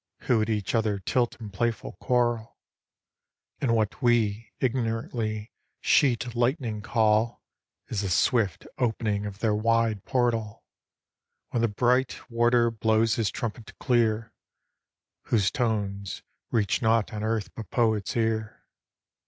Who at each other tilt in playful quarrel. And what we, ignorantly, sheet lightning call. Is the swift opening of their wide portal, When the bright warder blows his trumpet clear, Whose tones reach nought on earth but Poet's ear.